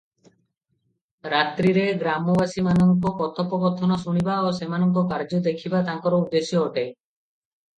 ରାତ୍ରିରେ ଗ୍ରାମବାସୀମାନଙ୍କ କଥୋପକଥନ ଶୁଣିବା ଓ ସେମାନଙ୍କ କାର୍ଯ୍ୟ ଦେଖିବା ତାଙ୍କର ଉଦ୍ଦେଶ୍ୟ ଅଟେ ।